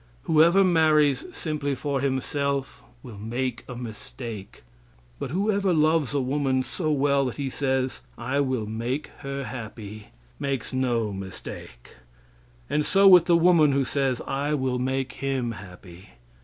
Whoever marries simply for himself will make a mistake; but whoever loves a woman so well that he says "I will make her happy," makes no mistake; and so with the woman who says "I will make him happy."